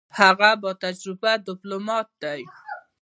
هغه با تجربه ډیپلوماټ دی.